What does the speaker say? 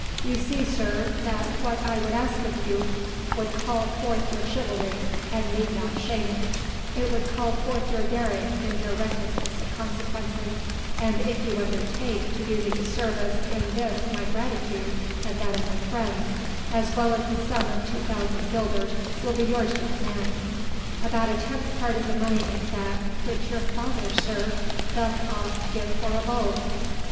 You see, sir, that what I would ask of you would call forth your chivalry and need not shame it; it would call forth your daring and your recklessness of consequences and if you will undertake to do me service in this, my gratitude and that of my friends as well as the sum of 2,000 guilders will be yours to command." "About a tenth part of the money in fact which your father, sir, doth oft give for a bulb."